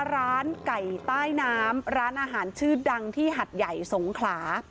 ร้านไก่ใต้น้ำร้านอาหารชื่อดังที่หัดใหญ่สงขลา